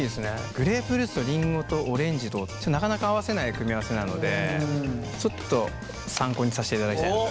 グレープフルーツとリンゴとオレンジとなかなか合わせない組み合わせなのでちょっと参考にさせていただきたいなと。